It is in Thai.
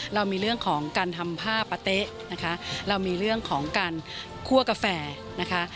เรามีเรื่องของการทำผ้าปะเต๊ะนะคะเรามีเรื่องของการคั่วกาแฟนะคะ